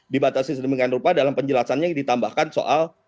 dibatasi sedemikian rupa dalam penjelasannya ditambahkan soal